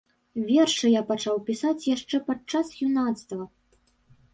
Вершы я пачаў пісаць яшчэ падчас юнацтва.